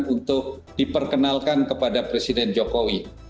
untuk diperkenalkan kepada presiden jokowi